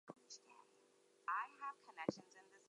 These situations are presented to players in the form of Scenarios.